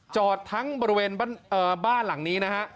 จอดทั้งบริเวณบ้านหลังนี้นะฮะ